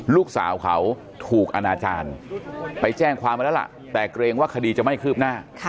ลูกสาวเขาถูกอนาจารย์ไปแจ้งความมาแล้วล่ะแต่เกรงว่าคดีจะไม่คืบหน้า